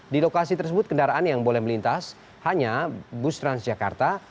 di lokasi tersebut kendaraan yang boleh melintas hanya bus transjakarta